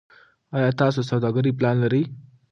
ایا تاسو د سوداګرۍ پلان لرئ.